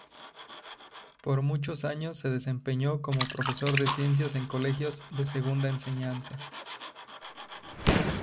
Por muchos años se desempeñó como profesor de Ciencias en colegios de segunda enseñanza.